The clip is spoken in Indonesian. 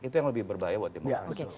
itu yang lebih berbahaya buat demokrasi